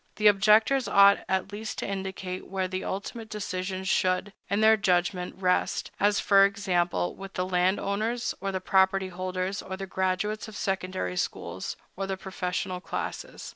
The objectors ought at least to indicate where the ultimate decision should, in their judgment, rest—as, for example, with the landowners, or the property holders, or the graduates of secondary schools, or the professional classes.